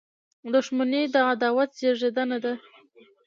• دښمني د عداوت زیږنده ده.